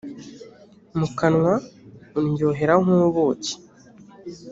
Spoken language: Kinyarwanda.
mu kanwa undyohera nk ubuki